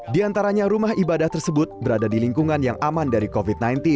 di antaranya rumah ibadah tersebut berada di lingkungan yang aman dari covid sembilan belas